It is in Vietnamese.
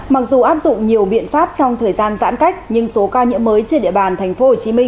mặc dù áp dụng nhiều biện pháp trong thời gian giãn cách nhưng số ca nhiễm mới trên địa bàn tp hcm